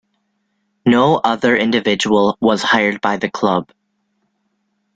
No other individual was hired by the club.